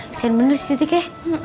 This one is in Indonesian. kesian benar sih titiknya